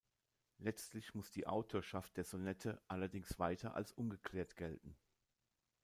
Letztlich muss die Autorschaft der Sonette allerdings weiter als ungeklärt gelten.